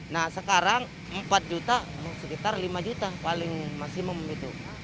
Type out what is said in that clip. nah sekarang empat juta sekitar lima juta paling maksimum itu